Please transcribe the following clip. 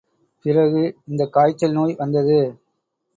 பிறகு இந்தக் காய்ச்சல் நோய் வந்தது.